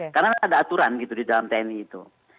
karena ada aturan gitu di dalam tni itu